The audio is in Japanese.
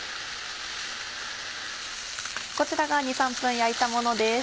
こちらが２３分焼いたものです。